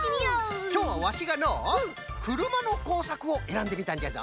きょうはワシがのうくるまのこうさくをえらんでみたんじゃぞ。